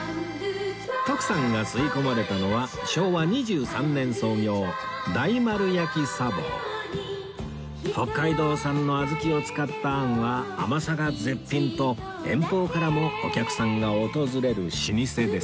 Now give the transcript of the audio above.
徳さんが吸い込まれたのは北海道産の小豆を使ったあんは甘さが絶品と遠方からもお客さんが訪れる老舗です